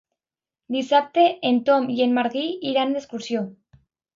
Dissabte en Tom i en Magí iran d'excursió.